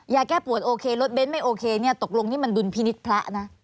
ยาแก้ปวดโอเครถเบ้นไม่โอเคหรือตกลงนี้ดุลพินิตพระ